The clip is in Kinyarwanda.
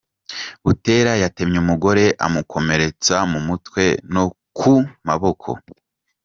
Butera yatemye umugore amukomeretsa mu mutwe no ku maboko.